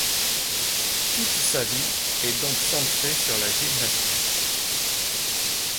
Toute sa vie est donc centrée sur la gymnastique.